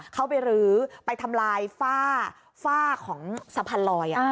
เขาไปรื้อไปทำลายฝ้าของสะพานลอย